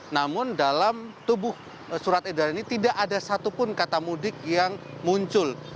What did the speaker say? namun dalam tubuh surat edaran ini tidak ada satupun kata mudik yang muncul